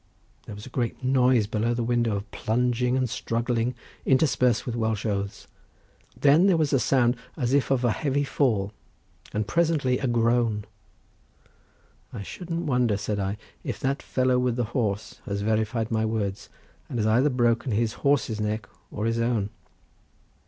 There was a great noise below the window of plunging and struggling interspersed with Welsh oaths. Then there was a sound as if of a heavy fall, and presently a groan. "I shouldn't wonder," said I, "if that fellow with the horse has verified my words, and has either broken his horse's neck or his own.